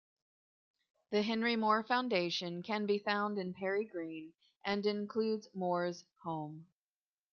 The Henry Moore Foundation can be found in Perry Green, and includes Moore's home.